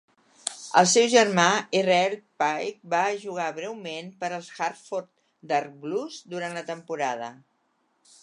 El seu germà, Israel Pike, va jugar breument per als Hartford Dark Blues durant la temporada.